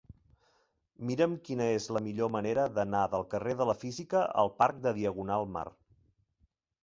Mira'm quina és la millor manera d'anar del carrer de la Física al parc de Diagonal Mar.